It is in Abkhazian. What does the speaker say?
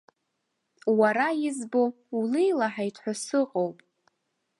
Уара избо, улеилаҳаит ҳәа сыҟоуп.